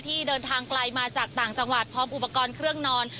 ที่เดินทางไกลมาจากต่างจังหวัดพร้อมอุปกรณ์เครื่องนอน